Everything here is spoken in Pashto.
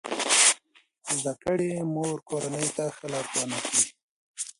د زده کړې مور کورنۍ ته ښه لارښوونه کوي.